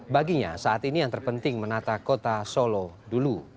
baginya saat ini yang terpenting menata kota solo dulu